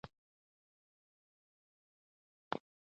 د یوې ښې ورځې په تمه کار کوو.